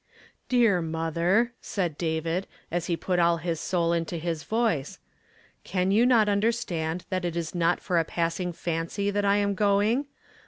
^ "Dear mother," said David, and he put all his soul into his voice, "can you not understand that It IS not for a passing fancy that I am going?